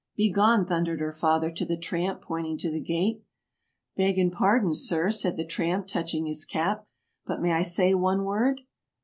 "Be gone!" thundered her father to the tramp, pointing to the gate. "Begging pardon, sir," said the tramp, touching his cap, "but may I say one word?"